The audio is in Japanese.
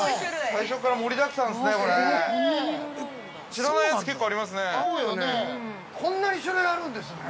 ◆最初から、盛りだくさんですね。